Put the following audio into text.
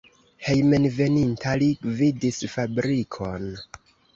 Hejmenveninta li gvidis fabrikon.